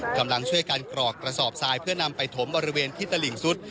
กำลังช่วยการกรอกกระสอบทรายเพื่อนำไปถมบริเวณที่ตลิ่งสุด